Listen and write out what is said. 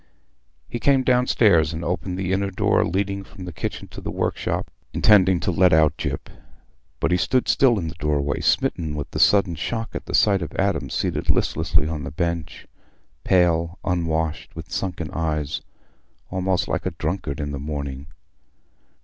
He came downstairs and opened the inner door leading from the kitchen into the workshop, intending to let out Gyp; but he stood still in the doorway, smitten with a sudden shock at the sight of Adam seated listlessly on the bench, pale, unwashed, with sunken blank eyes, almost like a drunkard in the morning.